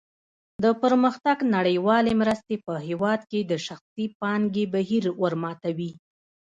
د پرمختګ نړیوالې مرستې په هېواد کې د شخصي پانګې بهیر ورماتوي.